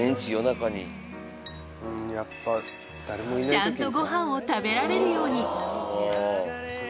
ちゃんとごはんを食べられるように。